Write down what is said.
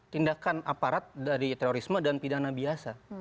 tindakan aparat dari terorisme dan pidana biasa